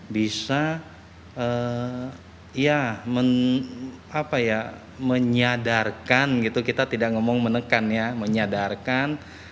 bisa ya menyadarkan gitu kita tidak ngomong menekan ya menyadarkan